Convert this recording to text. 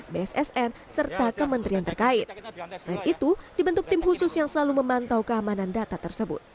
bssn serta kementerian terkait selain itu dibentuk tim khusus yang selalu memantau keamanan data tersebut